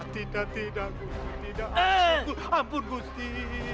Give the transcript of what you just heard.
tidak gusti ampun gusti